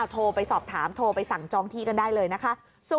โทรไปสอบถามโทรไปสั่งจองที่กันได้เลยนะคะ